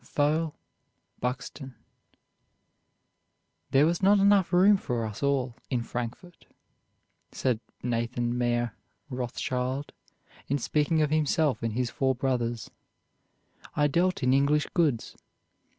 FOWELL BUXTON. "There was not enough room for us all in Frankfort," said Nathan Mayer Rothschild, in speaking of himself and his four brothers. "I dealt in English goods.